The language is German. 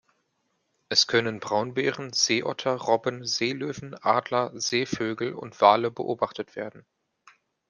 Es können Braunbären, Seeotter, Robben, Seelöwen, Adler, Seevögel und Wale beobachtet werden.